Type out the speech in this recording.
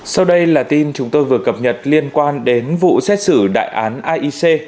sau đây là tin chúng tôi vừa cập nhật liên quan đến vụ xét xử đại án aic